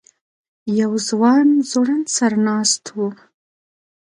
یو ځوان ځوړند سر ناست و.